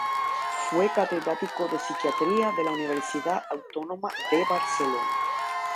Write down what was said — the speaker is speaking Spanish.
Fue catedrático de psiquiatría de la Universidad Autónoma de Barcelona.